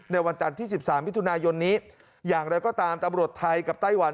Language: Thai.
วันจันทร์ที่๑๓มิถุนายนนี้อย่างไรก็ตามตำรวจไทยกับไต้หวัน